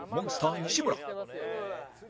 西村。